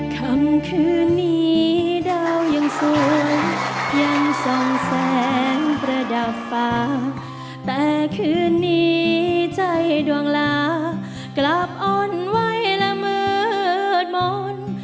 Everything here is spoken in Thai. แสงสองแสงประดับฟ้าแต่คืนนี้ใจดวงลากลับอ่อนไหวและมืดมนต์